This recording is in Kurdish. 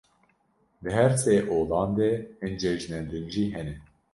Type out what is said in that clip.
Di her sê olan de hin cejnên din jî hene.